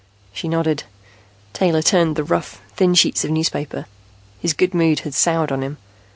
She nodded. Taylor turned the rough, thin sheets of newspaper. His good mood had soured on him.